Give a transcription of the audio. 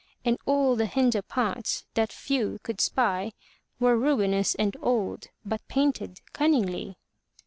And all the hinder parts, that few could spy. Were ruinous and old, but painted cunningly.